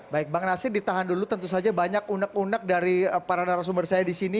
baik bang nasir ditahan dulu tentu saja banyak unek unek dari para narasumber saya di sini